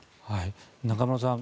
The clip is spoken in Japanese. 中室さん